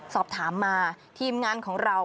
สอบถามมาทีมงานของเรา